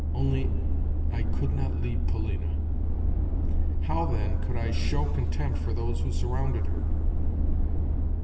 Only—I could not leave Polina. How, then, could I show contempt for those who surrounded her?